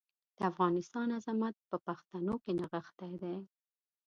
د افغانستان عظمت په پښتنو کې نغښتی دی.